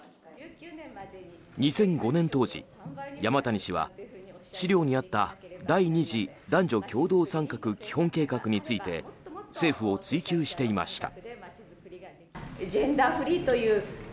２００５年当時、山谷氏は資料にあった第二次男女共同参画基本計画について政府を追及していました。